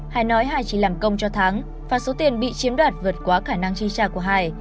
hài nói hài chỉ làm công cho thắng và số tiền bị chiếm đoạt vượt quá khả năng chi trả của hài